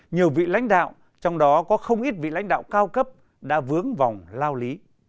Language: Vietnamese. nhiều vị lãnh đạo trong đó có không ít vị lãnh đạo cao cấp đã vướng vòng lao lý